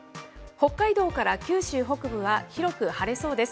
北海道から九州北部は広く晴れそうです。